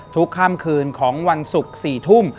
ทุกค่ำคืนของวันศุกร์สี่ทุ่ม